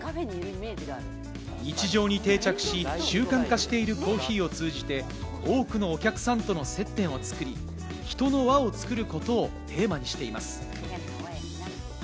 日常に定着し、習慣化しているコーヒーを通じて、多くのお客さんとの接点を作り、人の輪を作ることをテーマにしています。